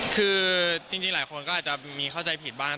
คือจริงหลายคนก็อาจจะมีเข้าใจผิดบ้าง